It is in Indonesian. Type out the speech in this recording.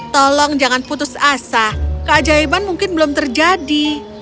tolong jangan putus asa keajaiban mungkin belum terjadi